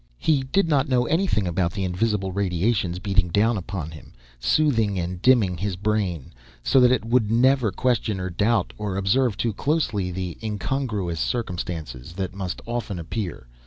He did not know anything about the invisible radiations beating down upon him, soothing and dimming his brain, so that it would never question or doubt, or observe too closely the incongruous circumstances that must often appear.